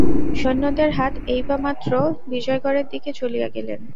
সৈন্যদের হাত এড়াইবামাত্র বিজয়গড়ের দিকে চলিয়া গেলেন।